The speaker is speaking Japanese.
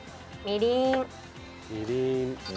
みりん。